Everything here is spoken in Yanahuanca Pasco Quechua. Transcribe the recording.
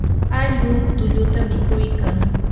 allqum tulluta mikuykan.